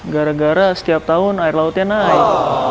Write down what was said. gara gara setiap tahun air lautnya naik